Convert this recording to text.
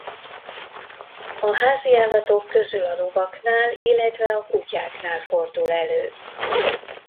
A háziállatok közül a lovaknál illetve a kutyáknál fordul elő.